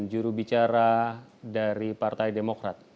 jurubicara dari partai demokrat